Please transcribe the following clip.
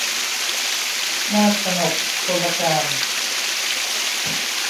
นากกนกกลการ